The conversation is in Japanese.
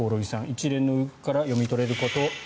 一連の動きから読み取れること。